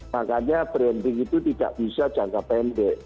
makanya branding itu tidak bisa jangka pendek